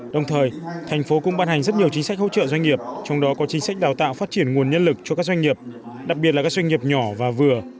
đồng thời thành phố cũng ban hành rất nhiều chính sách hỗ trợ doanh nghiệp trong đó có chính sách đào tạo phát triển nguồn nhân lực cho các doanh nghiệp đặc biệt là các doanh nghiệp nhỏ và vừa